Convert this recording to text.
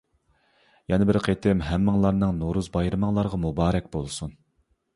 يەنە بىر قېتىم ھەممىڭلارنىڭ نورۇز بايرىمىڭلارغا مۇبارەك بولسۇن!